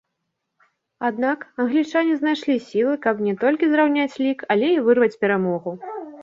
Аднак англічане знайшлі сілы, каб не толькі зраўняць лік, але і вырваць перамогу.